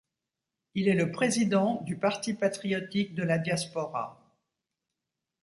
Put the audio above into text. Il est le président du Parti patriotique de la diaspora.